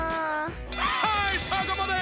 はいそこまで！